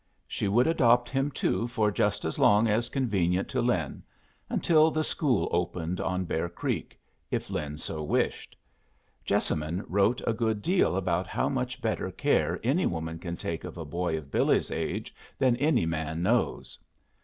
She would adopt him, too, for just as long as convenient to Lin until the school opened on Bear Creek, if Lin so wished. Jessamine wrote a good deal about how much better care any woman can take of a boy of Billy's age than any man knows.